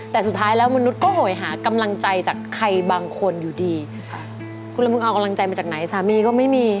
แต่สุดท้ายแล้วมนุษย์ก็โหยหากำลังใจจากใครบางคนอยู่ดีคุณแล้วมึงเอากำลังใจมาจากไหนสามีก็ไม่มี